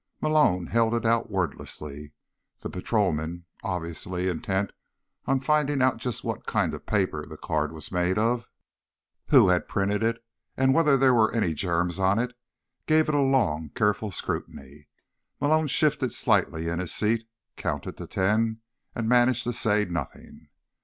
Malone held it out wordlessly. The patrolman, obviously intent on finding out just what kind of paper the card was made of, who had printed it and whether there were any germs on it, gave it a long, careful scrutiny. Malone shifted slightly in his seat, counted to ten and managed to say nothing.